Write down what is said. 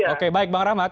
oke baik bang rahmat